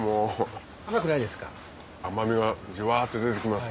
甘みがジュワっと出てきます。